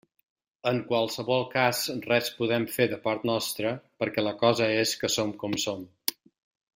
En qualsevol cas res podem fer de part nostra, perquè la cosa és que som com som.